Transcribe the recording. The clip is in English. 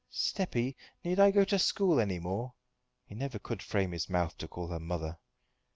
"Steppy, need I go to school any more?" He never could frame his mouth to call her mother.